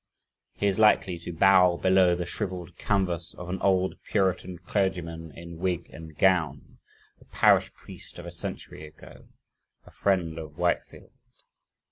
He is likely to "bow below the shriveled canvas of an old (Puritan) clergyman in wig and gown the parish priest of a century ago a friend of Whitefield."